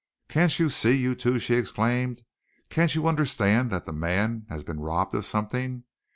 "Can't you see, you two," she exclaimed, "can't you understand that the man has been robbed of something?